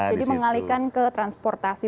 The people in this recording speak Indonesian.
jadi mengalihkan ke transportasi publik